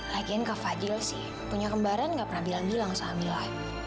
lagian ke fadil sih punya kembaran nggak pernah bilang bilang sama mila